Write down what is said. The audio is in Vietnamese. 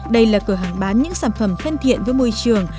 đây là cửa hàng bán những sản phẩm thân thiện với môi trường